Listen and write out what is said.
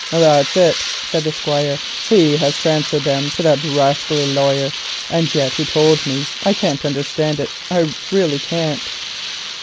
"That's it," said the Squire; "he has transferred them to that rascally lawyer. And yet he told me—I can't understand it, I really can't."